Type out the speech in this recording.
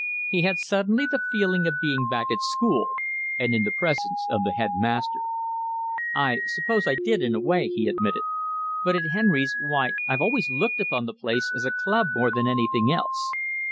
He had suddenly the feeling of being back at school and in the presence of the headmaster. "I suppose I did in a way," he admitted, "but at Henry's why, I've always looked upon the place as a club more than anything else."